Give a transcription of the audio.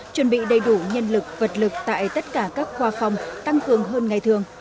chuẩn bị đầy đủ nhân lực vật lực tại tất cả các khoa phòng tăng cường hơn ngày thường